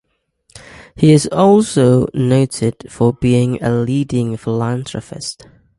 He is also noted for being a leading philanthropist.